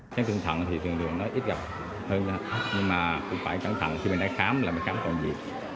chấn thương thận thì thường được nói ít gặp hơn nhưng mà cũng phải cẩn thận khi mình đã khám là mình khám còn gì